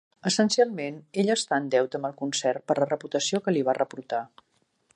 Essencialment, ell està en deute amb el concert per la reputació que li va reportar.